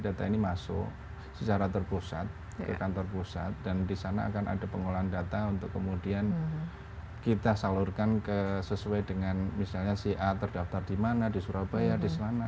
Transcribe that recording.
data ini masuk secara terpusat ke kantor pusat dan di sana akan ada pengolahan data untuk kemudian kita salurkan sesuai dengan misalnya si a terdaftar di mana di surabaya di mana